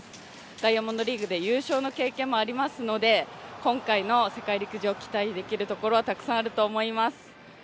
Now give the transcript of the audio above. ダイヤモンドリーグで優勝の経験もありますので今回の世陸陸上、期待できるところはたくさんあると思います。